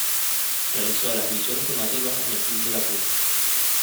Realizó las divisiones formativas en el club de la curva.